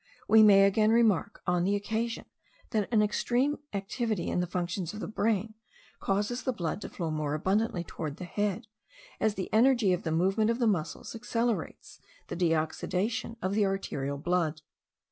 We may again remark, on this occasion, that an extreme activity in the functions of the brain causes the blood to flow more abundantly towards the head, as the energy of the movement of the muscles accelerates the deoxidation of the arterial blood.